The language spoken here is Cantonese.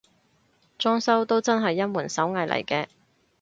裝修都真係一門手藝嚟嘅